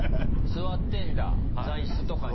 座ってるんだ座椅子とかに。